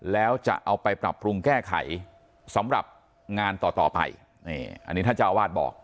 แล้วจะเอาไปปรับปรุงแก้ไขสำหรับงานต่อต่อไปนี่อันนี้ท่านเจ้าอาวาสบอก